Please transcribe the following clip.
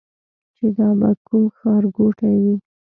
چې دا به کوم ښار ګوټی وي.